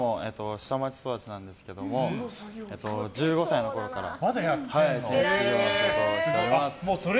下町育ちなんですけども１５歳のころから建築の仕事をしてます。